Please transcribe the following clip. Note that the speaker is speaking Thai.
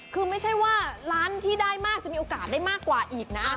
คือไม่ใช่ว่าร้านที่ได้มากจะมีโอกาสได้มากกว่าอีกนะ